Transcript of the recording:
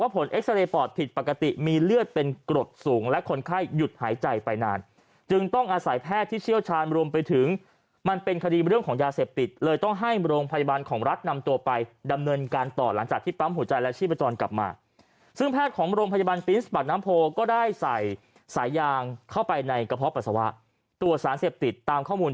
เอ็กซาเรย์ปอดผิดปกติมีเลือดเป็นกรดสูงและคนไข้หยุดหายใจไปนานจึงต้องอาศัยแพทย์ที่เชี่ยวชาญรวมไปถึงมันเป็นคดีเรื่องของยาเสพติดเลยต้องให้โรงพยาบาลของรัฐนำตัวไปดำเนินการต่อหลังจากที่ปั๊มหัวใจและชีพจรกลับมาซึ่งแพทย์ของโรงพยาบาลปิ๊สปากน้ำโพก็ได้ใส่สายยางเข้าไปในกระเพาะปัสสาวะตรวจสารเสพติดตามข้อมูล